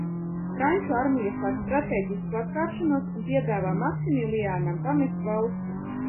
Franču armija sāk stratēģisku atkāpšanos un piedāvā Maksimiliānam pamest valsti.